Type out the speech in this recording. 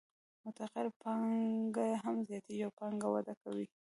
متغیره پانګه هم زیاتېږي او پانګه وده کوي